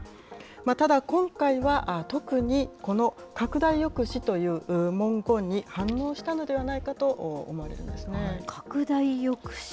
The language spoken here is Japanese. ただ、今回は特にこの拡大抑止という文言に反応したのではないかと思わ拡大抑止。